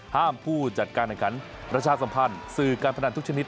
ห้ามผู้จัดการรัชาสัมพันธ์สื่อการพนันทุกชนิด